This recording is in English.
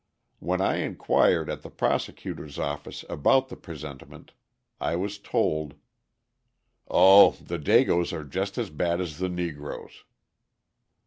When I inquired at the prosecutor's office about the presentiment, I was told: "Oh, the dagoes are just as bad as the Negroes."